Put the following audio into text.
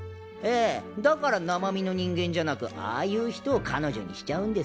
だから生身の人間じゃなくああいう人を彼女にしちゃうんですね。